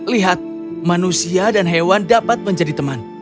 lihat manusia dan hewan dapat menjadi teman